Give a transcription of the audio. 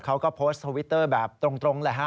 เขาก็โพสต์ทวิตเตอร์แบบตรงแหละฮะ